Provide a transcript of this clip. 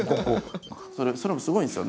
それもすごいんですよ。